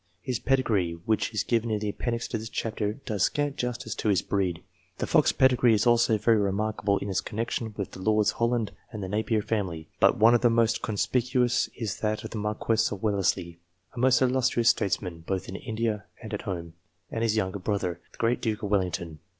His pedigree, which is given in the appendix to this chapter, does scant justice to his breed. The Fox pedigree is also very remarkable in its connexion with the Lords Holland and the Napier family. But one of the most conspicuous is that of the Marquess Wellesley, a most illustrious statesman, both in India and at home, and his younger brother, the great Duke of Wellington.